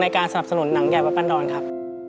การสนับสนุนหนังใหญ่วัดปันดรครับ